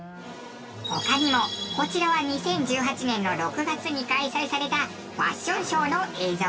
他にもこちらは２０１８年の６月に開催されたファッションショーの映像。